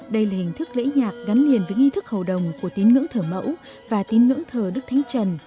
đây là hình thức lễ nhạc gắn liền với nghi thức hầu đồng của tín ngưỡng thờ mẫu và tín ngưỡng thờ đức thánh trần